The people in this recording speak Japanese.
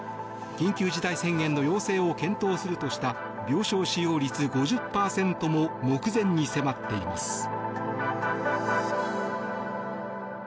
緊急事態宣言の要請を検討するとした病床使用率５０％も目前に迫っています。